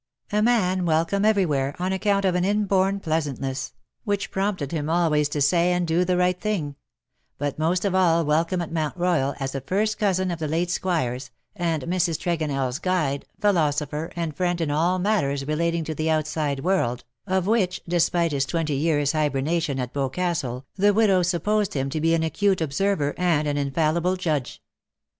A man welcome everywhere, on account of an inborn 58 pleasantness;, whicli prompted liim always to say and do the riglit thing; but most of all welcome at Mount Royal_, as a first cousin of the late Squire''s, and Mrs. Tregoneirs guide^ philosopher, and friend in all matters relating to the outside world, of which, despite his twenty years^ hybernation at Boscastle, the widow supposed him to be an acute observer and an infallible judge.